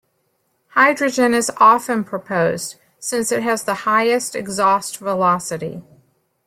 Hydrogen is often proposed since it has the highest exhaust velocity.